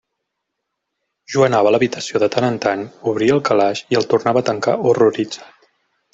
Jo anava a l'habitació de tant en tant, obria el calaix i el tornava a tancar horroritzat.